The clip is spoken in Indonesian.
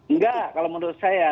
nggak kalau menurut saya